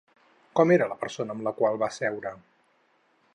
Com era la persona amb la qual va seure?